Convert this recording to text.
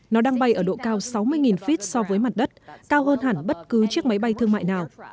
nó đang bay ở độ cao sáu mươi feet so với mặt đất cao hơn hẳn bất cứ chiếc máy bay thương mại nào